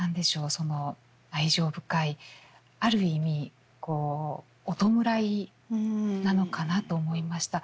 その愛情深いある意味こうお弔いなのかなと思いました。